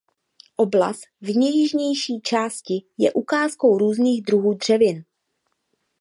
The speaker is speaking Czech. Oblast v nejjižnější části je ukázkou různých druhů dřevin.